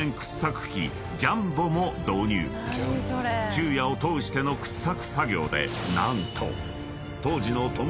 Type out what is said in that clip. ［昼夜を通しての掘削作業で何と当時の］